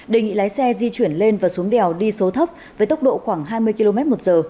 đề nghị lái xe di chuyển lên và xuống đèo đi số thấp với tốc độ khoảng hai mươi km một giờ